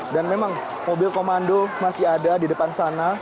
dan memang mobil komando masih ada di depan sana